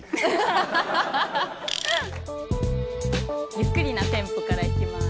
ゆっくりなテンポからいきます。